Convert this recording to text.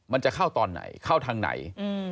มันจะเข้าตอนไหนเข้าทางไหน